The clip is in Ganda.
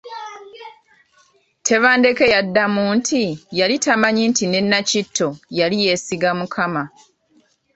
Tebandeke yamuddamu nti yali tamanyi nti ne Nakitto yali yeesiga Mukama.